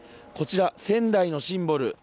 こちら仙台のシンボル